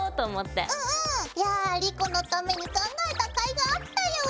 や莉子のために考えたかいがあったよ！